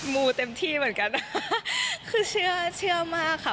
มูเต็มที่เหมือนกันคือเชื่อเชื่อมากค่ะ